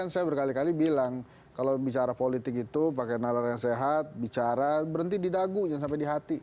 sekarang kalau bicara politik itu pakai narasen sehat bicara berhenti didagung yang sampai di hati